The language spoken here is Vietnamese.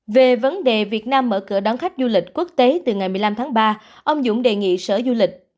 về vấn đề việt nam mở cửa đón khách du lịch quốc tế từ ngày một mươi năm tháng ba ông dũng đề nghị sở du lịch